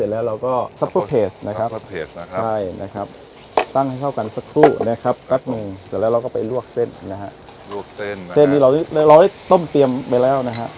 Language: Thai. แล้วเราก็ไปลวกเส้นนะฮะลวกเส้นนะฮะเส้นนี้เราได้ต้มเตรียมไปแล้วนะฮะ